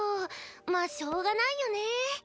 まあしょうがないよね。